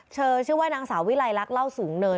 ชื่อว่านางสาววิลัยลักษ์เล่าสูงเนิน